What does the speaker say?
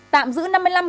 tạm giữ năm mươi năm